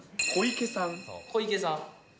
小池さん。